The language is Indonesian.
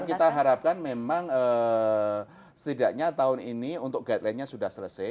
kita harapkan memang setidaknya tahun ini untuk guideline nya sudah selesai